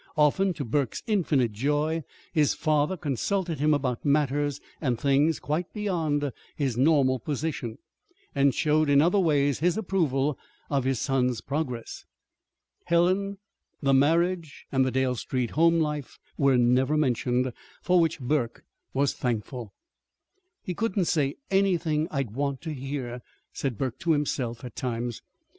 Often, to Burke's infinite joy, his father consulted him about matters and things quite beyond his normal position, and showed in other ways his approval of his son's progress. Helen, the marriage, and the Dale Street home life were never mentioned for which Burke was thankful. "He couldn't say anything I'd want to hear," said Burke to himself, at times.